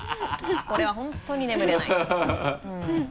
これは本当に眠れないうん。